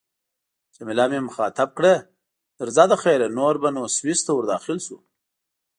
جميله مې مخاطب کړ: درځه له خیره، نور به نو سویس ته ورداخل شو.